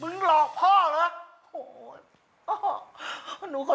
มึงหลอกพ่อหรือ